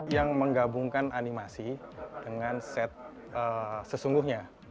yang menggabungkan animasi dengan set sesungguhnya